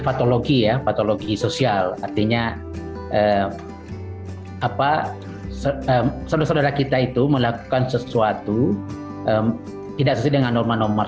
patologi ya patologi sosial artinya apa setelah kita itu melakukan sesuatu tidak sedang normal